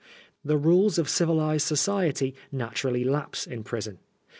The rules of civilised society naturally lapse in prison.